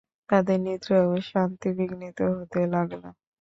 তাদের নিদ্রা ও শান্তি বিঘ্নিত হতে লাগল।